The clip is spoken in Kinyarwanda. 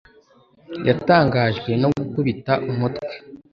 Yatangajwe no gukubita umutwe.